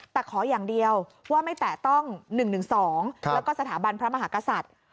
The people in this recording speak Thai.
แต่ขออย่างเดียวว่าไม่แตะต้อง๑๑๒แล้วก็สถาบันพระมหากษัตริย์